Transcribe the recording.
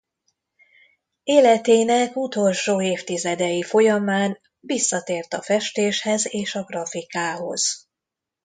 Életének utolsó évtizedei folyamán visszatért a festéshez és a grafikához.